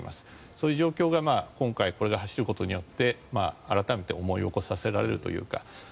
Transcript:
そういう状況が今回これが走ることによって改めて思い起こさせるというか。